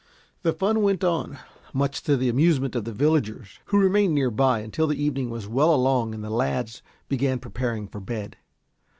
The fun went on, much to the amusement of the villagers, who remained near by until the evening was well along and the lads began preparing for bed.